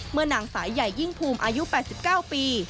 นางสายใหญ่ยิ่งภูมิอายุ๘๙ปี